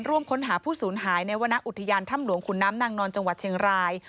ร่วมค้นหาผู้สูญหายในวรรณอุทยานถ้ำหลวงขุนน้ำนางนอนจังหวัดเชียงราย